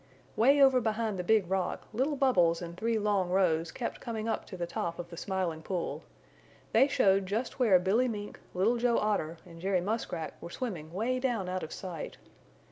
Way over beyond the Big Rock little bubbles in three long rows kept coming up to the top of the Smiling Pool. They showed just where Billy Mink, Little Joe Otter and Jerry Muskrat were swimming way down out of sight.